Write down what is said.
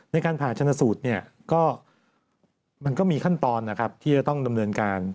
ในการผ่าชนสูตรก็มีขั้นตอนที่จะต้องดำเนินการ